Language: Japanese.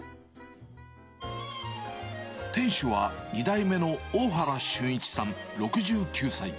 店主は２代目の大原俊一さん６９歳。